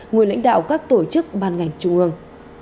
nguyên lãnh đạo các tổ chức ban ngành trung ương